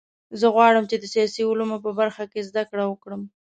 زه غواړم چې د سیاسي علومو په برخه کې زده کړه وکړم